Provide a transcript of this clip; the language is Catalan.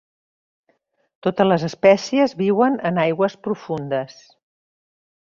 Totes les espècies viuen en aigües profundes.